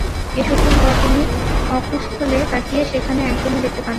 কিছুক্ষণ পর তিনি অকুস্থলে তাকিয়ে সেখানে একজনও দেখতে পাননা।